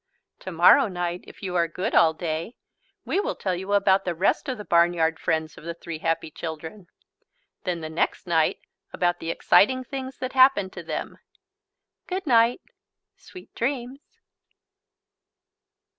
Tomorrow night, if you are good all day, we will tell you about the rest of the barnyard friends of the three happy children. Then the next night, about the exciting things that happened to them. Good night! Sweet Dreams!